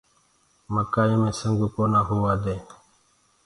مڪآيو مي سنگ ڪونآ هوآ دينٚ۔